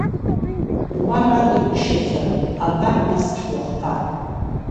Уа рада гәышьаӡа, абар нас ҳуахҭа…